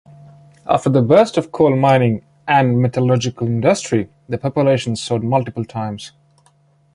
After the burst of coal mining and metallurgic industry the population soared multiple times.